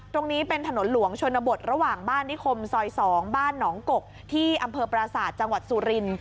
ตรงนี้เป็นถนนหลวงชนบทระหว่างบ้านนิคมซอย๒บ้านหนองกกที่อำเภอปราศาสตร์จังหวัดสุริน